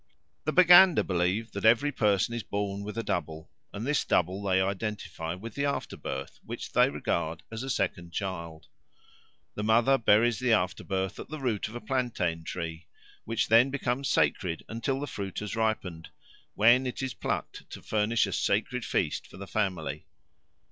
The Baganda believe that every person is born with a double, and this double they identify with the afterbirth, which they regard as a second child. The mother buries the afterbirth at the root of a plantain tree, which then becomes sacred until the fruit has ripened, when it is plucked to furnish a sacred feast for the family.